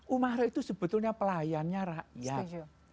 umar itu sebetulnya pelayannya rakyat